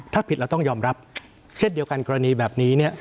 ถ้าผิดเราต้องยอมรับเช่นเดียวกันกรณีแบบนี้เนี่ย